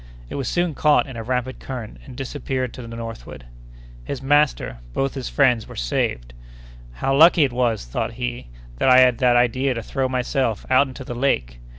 It was soon caught in a rapid current and disappeared to the northward. His master—both his friends were saved! "How lucky it was," thought he, "that I had that idea to throw myself out into the lake!